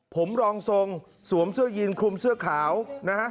ผมรองทรงสวมเสื้อยีนคลุมเสื้อขาวนะฮะ